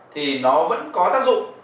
thì nó vẫn có tác dụng